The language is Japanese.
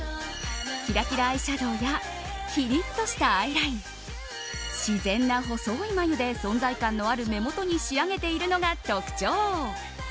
キラキラアイシャドーやきりっとしたアイライン自然な細い眉で存在感のある目元に仕上げているのが特徴。